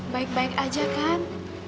baik baik aja kan